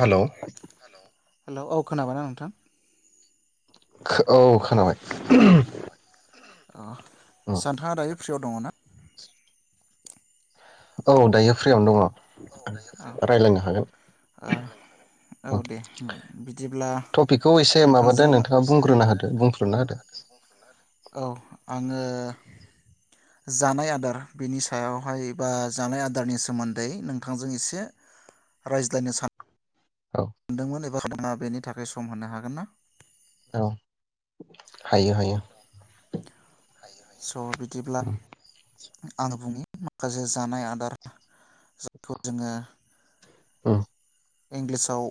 Hello hello औ खोनाबाय ना नोंथां? औ खो औ खोनाबाय अ उम, आसा नोंथाङा दायो फ्रियाव दङ ना? औ दायो फ्रियावनो दङ रायज्लायनो हागोन आ औ उम, दे बिदिब्ला टपिकखौ एसे माबादो नोंथांजों नोंथाङा बुंग्रोना होदो बुंफ्रुना होदो औ आङो जानाय आदार बिनि सायावहाय बा जानाय आदारनि सोमोन्दै नोंथां नोंथांजों एसे रायज्लायनो सानो औ मोनदोंमोन एबा [unintelligible] बेनि थाखाय सम होनो हागोन ना? औ हायो हायो। हायो हायो। थ' बिदिब्ला उम आं बुंनि माखासे जानाय आदार उम इंलिसाव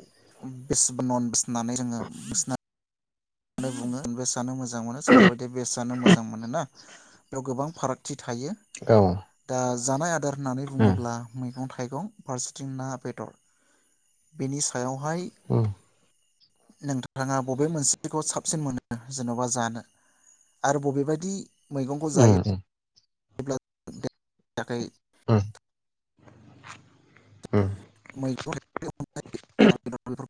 बेस नन बसनानै जोङो बसनो [unintelligible] बुङो। जानो मोजां मोनो सोरबा बायदिया बेस जानो मोजां मोनो ना? बेयाव गोबां फारागथि थायो औ दा जानाय आदार होननानै उम बुङोब्ला मैगं थाइगं थाइगं फारसेथिं ना बेदर बेनि स हायावहाय उम नोंथाङा बबे मोनसे खौ साबसिन मोनो जेन'बा जानो आरो बबेबायदि मैगंखौ उम जायो [unintelligible] अब्ला [unintelligible] गा [unintelligible] आखाय उम उम मैगं [unintelligible] [unintelligible]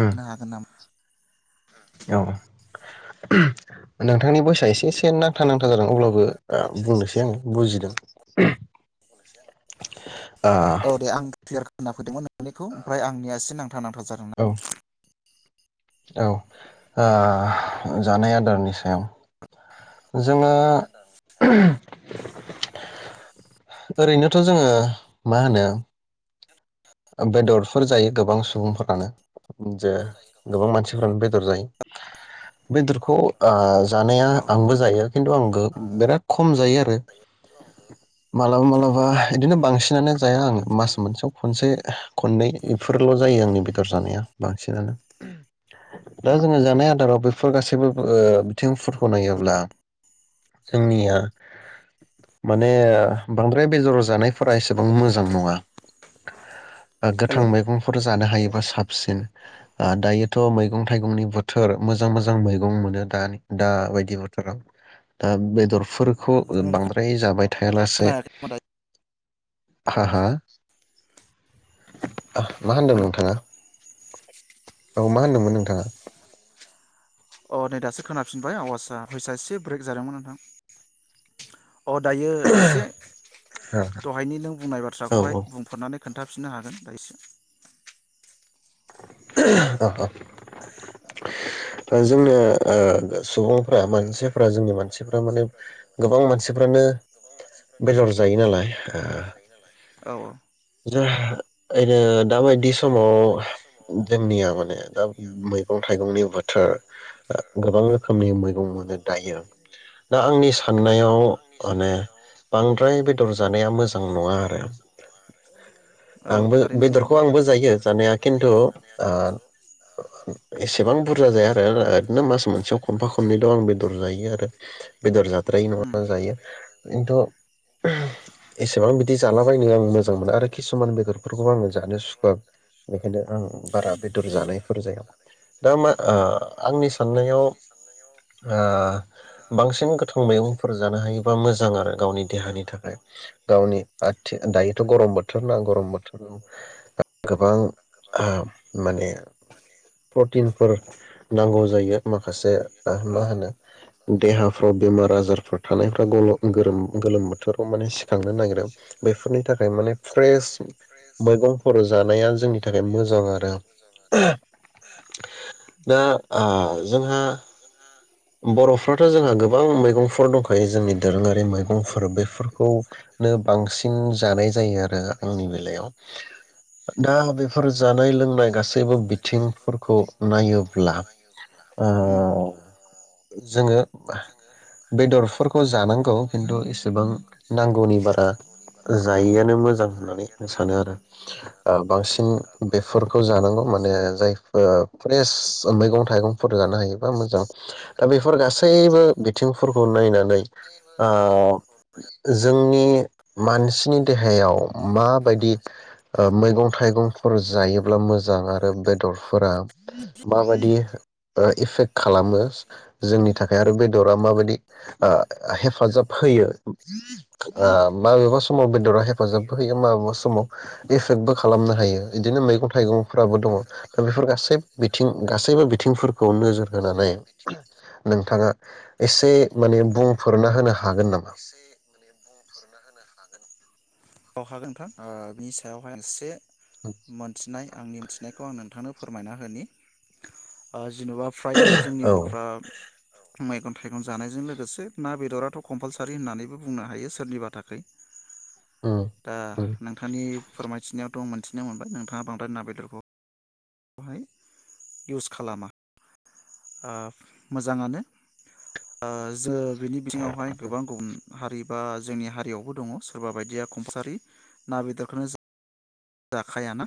उम [unintelligible] हागोन नामा? औ नोंथांनि भइसआ एसे एसे नांथा नांथा जादों अब्लाबो ओ बुंनोसै आङो बुजिदों ओ औ दे आं नाफो दोंमोन नानिखौ ओमफ्राय आंनिया एसे नां नांथा नांथा जादोंमोन। औ औ ओ जानाय आदारनि सायाव जोंङो [inaudible] ओरैनोथ' जोंङो मा होनो बेदरफोर जायो गोबां सुबुंफोरानो जे गोबां मानसिफोरानो बेदर जायो बेदरखौ आ जानाया औ आंबो जायो किन्थु आं उम बेराद खम जायो आरो मालाबा मालाबा बिदिनो बांसिनानो जाया आङो मास मोनसेयाव खनसे खननै बेफोरल' जायो आंनि बेदर जानाया बांसिनानो दा जोंङो जानाय आदाराव बेफोर गासैबो बो ओ थिंफोरखौ नायोब्ला जोंनिया माने बांद्राय बेदर जानायफोरा एसेबां मोजां नङा। ओ गोथां हेल' मैगंफोर ज जानो हायोबा साबसिन ओ दायोथ' मैगं थाइगंनि बोथोर मोजां मोजां मैगं मोनो दा दा बायदि बोथोराव दा बेदर फोर खौ नोंथां बांद्राय जाबाय थायालासे खोनायाखै नामा दायो? हा हा [inaudible] आह मा होनदों हेल' नोंथाङा? औ मा होनदोंमोन नोंथाङा? अ नै दासो खोनाफिनबाय आवासा भ'इसा एसे ब्रेक जादोंमोन नोंथां। अ दायो एसे दहायनि नों बुंनाय बाथ्राखौहाय ओ बुंफोरनानै खोन्थाफिननो हागोन दा एसे ओह अ अ ओ जोंनो ओ सुबुंफ्रा मानसिफ्रा जोंनि मानसिफ्रा माने गोबां मानसिफ्रानो बेदर जायो नालाय ओ औ [unintelligible] दाबायदिस सम व जोंनिया माने दाब मैगं थाइगंनि बोथोर गोबां रोखोमनि मैगं मोनो दायो दा आंनि साननायाव आंनि माने साननायाव माने बांद्राय बेदर जानाया बांद्राय मोजां बेदर नङा जानाया आरो मोजां नङा आंबो बेदरखौ आंबो जायो जानाया खिन्थु आ एसेबां बुरजा जाया आरो बिदिनो मास मोनसेयाव खमफा खननैल' आं बेदर जायो आरो बेदर जाद्रायि नङा जायो। खिन्थु एसेबां बिदि जालाबायनो आं मो जां मोना आरो खिसुमान बेदरफोरखौ आं जानो सुखुवा ओंखायनो आं बारा बेदर जानायफोर जाया दा मा ओ आंनि साननायाव ओ बांसिन गोथां मैगंफोर जानो हायोबा मोजां आरो गावनि देहानि थाखाय गावनि आदथि दायो गरम बोथोरना गरम बोथोराव गोबां ओ माने प्रटिनफोर नांगौ जायो माखासे ओ माहोनो देहाफ्राव बेमार आजारफोर थानायफ्रा गं गोरोम गोलोम बोथोराव माने सिखांनो नागिरो बैफोरनि थाखा माने फ्रेस मैगंफोर जानाया जोंनि थाखाय मोजां आरो दा आ जोंहा बरफ्राथ जोंहा गोबां मैगंफोर दंखायो जोंनि दोरोङारि मैगंफोर बेफोरखौनो बांसिन जानाय जायो आरो आंनि बेलायाव दा बेफोर जानाय लोंनाय गासैबो बिथिंफोरखौ नायोब्ला ओ जोङो बेदरफोरखौ जानांगौ खिन्थु इसेबां नांगौनि बारा जायैआनो मोजां होननानै आं सानो आरो ओ बांसिन बेफोरखौ जानांगौ माने जाय ओ फ्रेस मैगं थाइगंफोर जानो हायोबा मोजां। दा बेफोर गासैबो बिथिंफोरखौ नायनानै आ जोंनि मानसिनि देहायाव माबायदि ओ मैगं थाइगंफोर जायोब्ला मोजां आरो बेदरफोरा माबायदि ओ इफेक्ट खालामो जोंनि थाखाय आरो बेद'रा माबायदि ओ हेफाजाब होयो ओ माबेबा समाव बेद'रा हेफाजाबबो होयो माबेबा समाव एफेक्टबो खालामनो हायो इदिनो मैगं थाइगंफ्राबो दङ दा बेफोर गासै बिथिं गासैबो बिथिंफोरखौ नोजोर होनानै नोंथाङा एसे माने बुंफोरना होनो हा एसे माने बुंफोरना होनो हा औ हागोन नोंथां ओ बिनि सायावहाय एसे मोनथिनाय आंनि मिथिनायखौ आं नोंथांनो फोरमायना होनि ओ जेन'बा फ्रायानो जोंनि औ बफ्रा औ मैगं थाइगं जानायजों लोगोसे ना बेदराथ' कम्पालसारि होननानैबो बुंनो हायो सोरनिबा थाखै। उम दा उम नोंथांनि फोरमायथिनायाव दं मोनथिनो मोनबाय नोंथाङा बांद्राय ना बेदरखो इउस खालामा ओ मोजाङानो ओ जो बिनि बिथिङावहाय गोबां गुबुं हारि बा जोंनि हारियावबो दङ सोरबा बायदिया कमसारि ना बेदरखोनो जा जाखायाना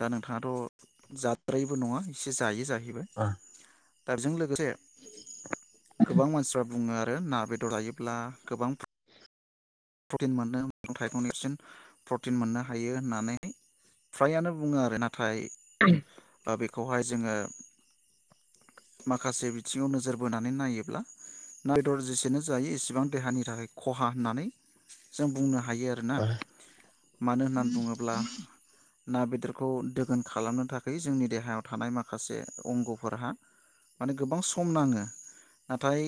दा नोंथाङाथ' जाद्रायिबो नङा एसे जायो जाहै ओ बिबाद दारजों लोग गोसे गोबां मानसिफ्रा बुङो आर रो ना बेदर आयोब्ला गोबां प्रटिन मोनो गं थाइगंनिसिम प्रटिन मोननो हायो होननानै फ्रायानो बुङो आरो नाथाय [unintelligible] बेखौहाय जोङो माखासे बिथिङाव नोजोर बोनानै नायोब्ला ना दर जेसेनो जायो इसेबां देहानि थाखाय खहा होननानै जों बुंनो हायो आरोना मानो होननानै बुङोब्ला ना बेदरखौ दोगोन खालामनो थाखाय जोंनि देहायाव थानाय माखासे अंगफोरहा माने गोबां सम नाङो नाथाय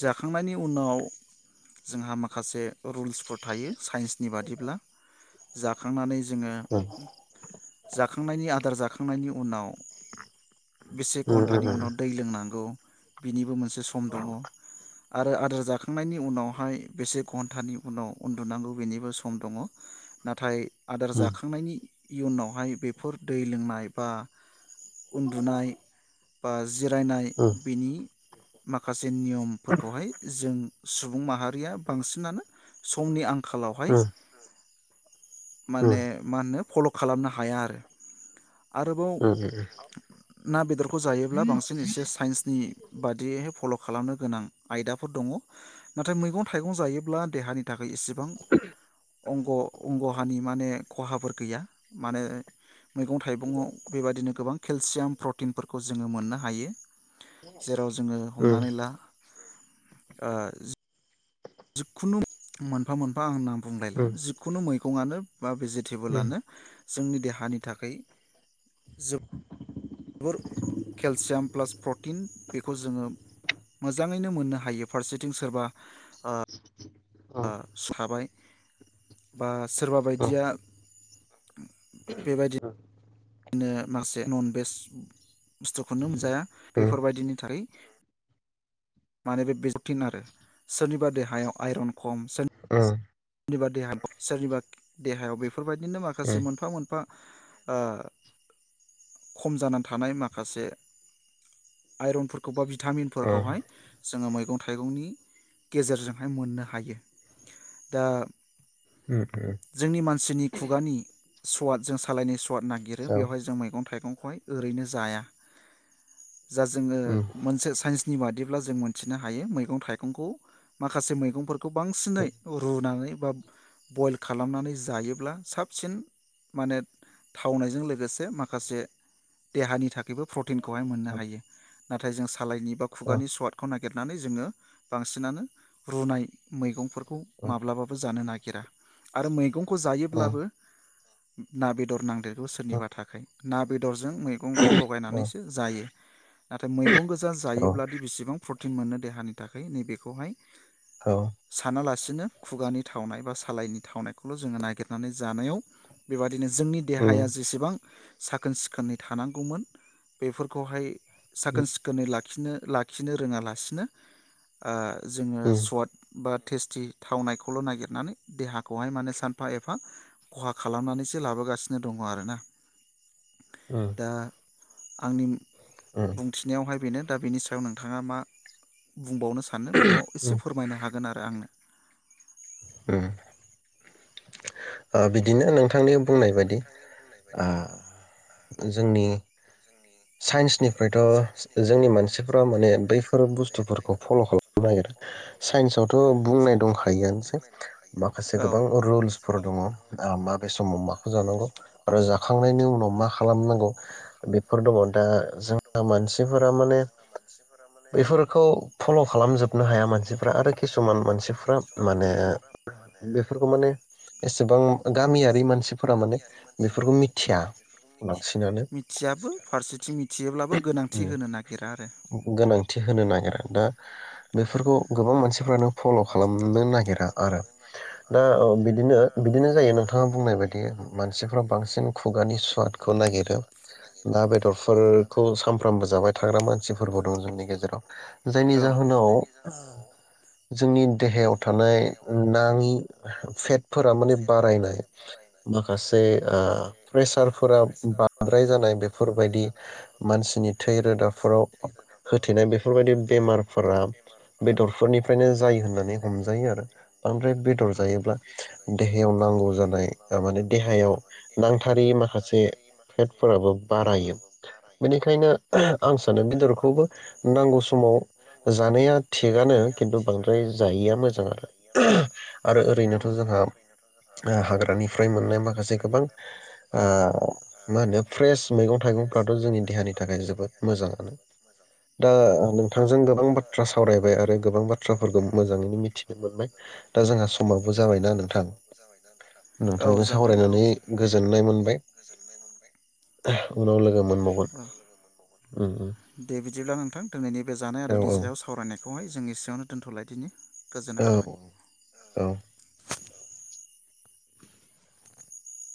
जाखांनायनि उनाव जोंहा माखासे रुल्सफोर थायो साइन्सनि बादिब्ला। जाखांनानै जोङो जाखांनायनि आदार जाखांनायनि उनाव बेसे घन्टानि उनाव दै लोंनांगौ। बिनिबो मोन से सम दङ। आरो आदार जाखांनायनि उनावहाय बेसे घन थानि उनाव उन्दुनांगौ बेनिबो सम दङ नाथाय आदार जाखांनायनि इयुनावहाय बेफोर दै लोंनाय बा उन्दुनाय बा जिरायनाय बिनि माखास नियमफोरखौहाय जों सुबुं माहारिया बांसिनानो समनि आंख खालावहाय माने मा होनो फल खालामनो हाया आरो। आरोबाव ओ ओ। ना बेदर खौ जायोब्ला बांसिन एसे साइन्सनि बाददियै फल' खालामनो गोनां आयदाफोर दङ नाथाय मैगं- थाइगं जायोब्ला देहानि नि थाखाय इसेबां अंग -अंगहानि माने खहाफोर गैया मानो मैगं थाइगं आव बेबादिनो गोबां केलसियाम प्रटिनफोरखौ जोङो मोननो हायो। जेराव जोङो हमनानै ला ओ जिखुनु मोनफा- मोनफा आं नाम बुंलायला जिखुनु मै गङानो बा भेजिटेबोलानो जोंनि देहानि थाखाय जोबोद बोर केलसियाम प्लास प्रटिन बेखौ जोङो मोजाङैनो मोननो हायो फारसेथिं सोरबा अ बा सहाबाय बा सोरबा बायदिया औ। नो माखासे नन भेज बुस्थुखौनो मोनजाया बेफोरबायदिनि थाखाय मानो बे बिजफिन आरो सोरनिबा देहायाव आइरन खम सोर सोरनिबा देहा सोरनिबा देहायाव बे बेफोरबायदिनो माखासे मोनफा मोनफा ओ खम जानानै थानाय माखासे आइरनफोरखौ बा बि टामिन फोरखौहाय जोङो मै मैगं थाइगंनि गेजेरजोंहाय मोननो हायो। दा जोंनि मानसिनि खुगानि सवाद जों सालायनि सु सुवाद नागिरो बेवहाय जों मैगं थाइगं हाय ओरैनो जाया। जा जोङो मोनसे साइन्स बेबादिब्ला जों मिथिनो हायो मैगं थाइगंखौ माखासे मैगंफोर खौ बांसिनै रुनानै बा बयल खालामनानै जायोब्ला साबसिन माने थावनायजों लोगोसे माखासे देहानि थाखायबो प्रटिनखौहाय मोननो हायो। नाथाय जों सालायनि बा खुगानि स्वादखौ नागिर नागिरनानै जोङो बांसिनानो रुनाय मैगंफोरखौ माब्लाबाबो जानो नागिर गिरा आरो मैगं खौ जायोब्लाबो ना बेदर नांदेर गौ सोरनिबा थाखाय। ना बेद दरजों मैगंखौ लगायनानैसो जायो। नाथाय मैगं गोजा जायोब्लादि बेसेबां प्रटि तिन मोननो देहानि थाखाय नैबेखौहाय साना ला बिसिनो खुगानि थावनाय बा सालायनि थावनायखौल' जोङो नागिरनानै जानायाव बेबादि बिनो जोंनि देहाया जेसेबां साखोन सिखोनै थानांगौमोन बेफोरखौहाय साखोन सिखोनै लाख खिनो-लाखिनो रोङालासिनो ओ जोङो सवार्ट बात थेस्टि थावनायखौल' नागिरनानै देहाखौहाय माने सानफा एफा खहा खालामनानैसो लाबोगासिनो दङ आरोना दा आंनि बुंथिनायावहाय बेनो दा बेनि सायाव नोंथाङा मा बुंबावनो सानो बेखौ इसे फोरमायनो हागोन आ दा आंनो उम ओ बिद बिदिनो नोंथांनि बुंनाय बायदि ओ जोंनि साइन्सनि फ्रायथ' जो-जोंनि मानसिफ्रा माने बैफोर बुस्थुफोरखौ फल' खालामनो नागिरा साइन्सआवथ' बुंनाय दंखायोआनोसै माखासे औ गोबां रुल्सफोर दङ' आ माबे समाव माखौ जानांगौ आरो जाखांनायनि उनाव मा खालामनांगौ बेफोर दङ' दा ज दा मानसिफोरा माने बेफोरखौ फल' खालामजोबनो हाया मानसिफ्रा आरो किसुमान मानसिफ्रा माने बेफोरखौ माने एसेबां गामियारि मानसिफोरा माने बेफोरखौ मिथिया बांसिनानो मिथियाबो फारसेथिं मिथियोब्लाबो गोनांथि उम होनो नागिरा आरो गो-गोनांथि होनो नागिरा दा बेफोरखौ गोबां मानस [unintelligible] फल' खालामनो नागिरा आरो दा औ बिदिनो बिदिनो जायो नोंथाङा बुंनाय बायदि मानसिफ्रा बांसिन खुगानि सुवादखौ नागिरो ना बेदरफोरखौ सानफ्रामबो जाबाय थाग्रा मानसिफोरबो दं जोंनि गेजेराव जायनि जाहोनाव जोंनि देहायाव थानाय नाङि फेटफोरा माने बारायनाय माखासे ओ प्रेसारफोरा बांद्राय जानाय बेफोरबायदि मानसिनि थै रोदाफोराव होथेनाय बेफोरबायदि बेमारफोरा बेदरफोरनिफ्राय जायो होननानै हमजायो आरो ओमफ्राय बेदर जायोब्ला देहायाव नांगौ जानाय माने देहायाव नांथारै माखासे फेटफोराबो बारायो बेनिखायनो ओहो आं सानो बेदरखौबो नांगौ समाव जानाया थिगानो खिन्थु थिगानो बांद्राय खिन्थु जायैया बांद्राय मोजां आरो जायैया मो आरो ओरैनोथ' जोंहा ओ हाग्रानिफ्राय मोननाय माखासे गोबां ओ मा होनो फ्रेस मैगं थाइगंफ्राथ' जोंनि देहानि थाखाय जोबोद मोजाङानो दा औ नोंथांजों गोबां बाथ्रा सावरायबाय आरो गोबां बाथ्राफोरखौ मोजाङैनो मिथिनो मोनबाय दा जोंहा समाबो जाबायना नोंथां औ नोंथांजों जाबाय सावरायनानै गोजोननाय मोनबाय उनाव लोगो मोन दे बिदिब्ला नोंथां दिनैनि बे जानाय आदारनि औ सायाव सावरायनायखौहाय जों एसेयावनो दोनथ'लायदिनि। औ औ।